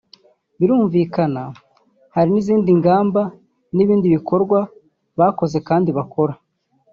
Birumvikana hari n’izindi ngamba n’ibindi bikorwa bakoze kandi bakora